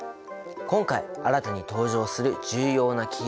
今回新たに登場する重要なキーワード